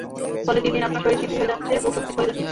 ফলে দিন দিন আপনার শরীর শিথিল হয়ে যাচ্ছে ও শক্তি ক্ষয়ে যাচ্ছে।